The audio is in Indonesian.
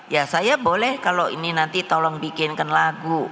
ya saya boleh kalau ini nanti tolong bikinkan lagu